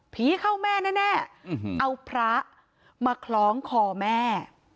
เข้าแม่แน่เอาพระมาคล้องคอแม่